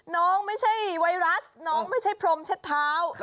ไม่ใช่ไวรัสน้องไม่ใช่พรมเช็ดเท้า